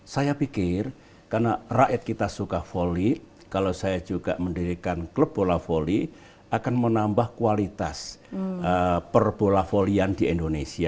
saya pikir karena rakyat kita suka voli kalau saya juga mendirikan klub bola voli akan menambah kualitas perbola volian di indonesia